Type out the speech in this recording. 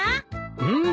うん。